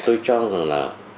tôi cho rằng là